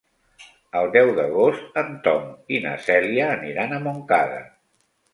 El deu d'agost en Tom i na Cèlia aniran a Montcada.